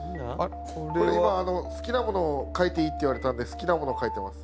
これ今好きなものを描いていいって言われたんで好きなものを描いてます。